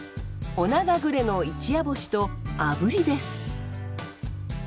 オナガグレの一夜干しとあぶりです。